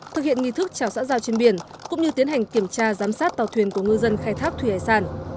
thực hiện nghi thức trào xã giao trên biển cũng như tiến hành kiểm tra giám sát tàu thuyền của ngư dân khai thác thủy hải sản